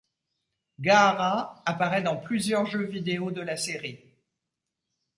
Gaara apparaît dans plusieurs jeux vidéo de la série.